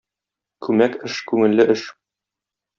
Күмәк эш күңелле эш.